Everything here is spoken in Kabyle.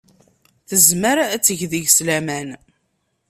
Tezmer ad teg deg-s laman.